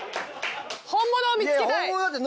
本物を見つけたい。